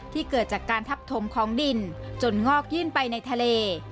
เกิดจากการทับถมของดินจนงอกยื่นไปในทะเล